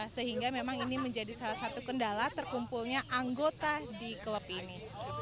sehingga memang ini menjadi salah satu kendala terkumpulnya anggota di klub ini